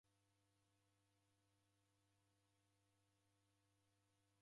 Naw'onana nae idime.